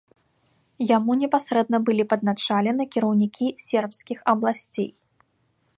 Яму непасрэдна былі падначалены кіраўнікі сербскіх абласцей.